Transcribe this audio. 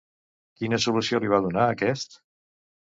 Quina solució li va donar aquest?